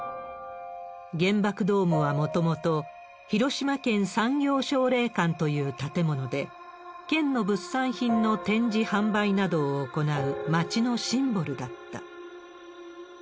原爆ドームはもともと広島県産業奨励館という建物で、県の物産品の展示、販売などを行う街のシンボルだった。